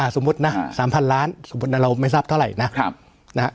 สมมุตินะ๓๐๐ล้านสมมุติเราไม่ทราบเท่าไหร่นะ